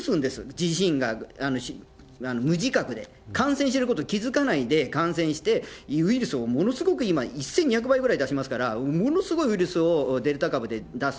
自身が無自覚で、感染してることに気付かないで感染して、ウイルスをものすごく今、１２００倍ぐらい出しますから、ものすごいウイルスをデルタ株で出す。